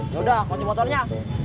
yaudah kocok motornya